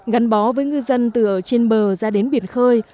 gắn bó với ngư dân từ trên bờ ra đến biển khơi